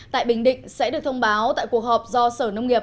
tại bình định sẽ được thông báo tại cuộc họp do sở nông nghiệp